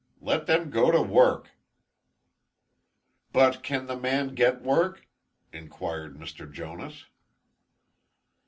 Let them go to work." "But can the man get work?" inquired Mr. Jonas.